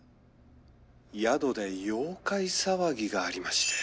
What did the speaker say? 宿で妖怪騒ぎがありまして。